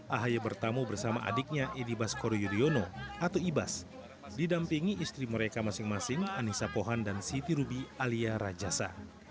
ahy bertamu bersama adiknya idi baskoro yudhoyono atau ibas didampingi istri mereka masing masing anissa pohan dan siti rubi alia rajasa